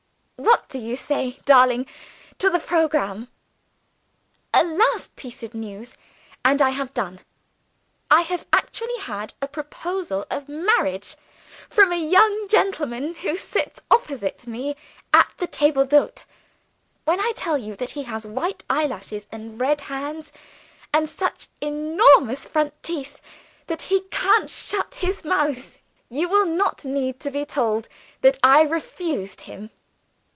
What do you say, darling, to the programme? "A last piece of news and I have done. "I have actually had a proposal of marriage, from a young gentleman who sits opposite me at the table d'hote! When I tell you that he has white eyelashes, and red hands, and such enormous front teeth that he can't shut his mouth, you will not need to be told that I refused him.